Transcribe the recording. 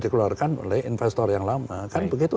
dikeluarkan oleh investor yang lama kan begitu